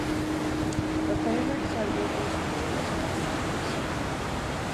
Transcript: Her favorite subject in school is mathematics.